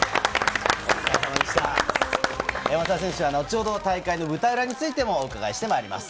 松田選手には後ほど、大会の舞台裏についてもお聞きしたいと思います。